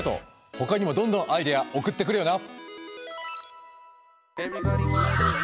ほかにもどんどんアイデア送ってくれよな。